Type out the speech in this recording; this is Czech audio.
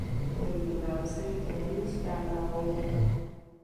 Domnívám se, že to není správná volba.